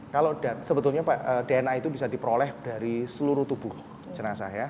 kalau sebetulnya dna itu bisa diperoleh dari seluruh tubuh jenazah ya